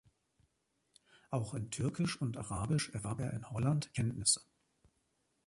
Auch in Türkisch und Arabisch erwarb er in Holland Kenntnisse.